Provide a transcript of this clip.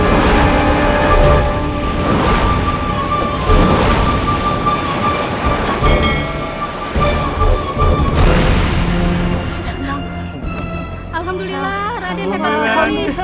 alhamdulillah raden hebat sekali